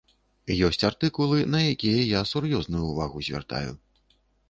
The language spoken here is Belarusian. Ёсць артыкулы, на якія я сур'ёзную ўвагу звяртаю.